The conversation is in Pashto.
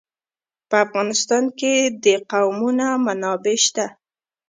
په افغانستان کې د قومونه منابع شته.